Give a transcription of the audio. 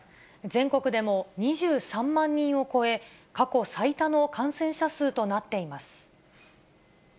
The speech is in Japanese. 全国でも２３万人を超え、過去最多の感染者数となっています。